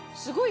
すごい。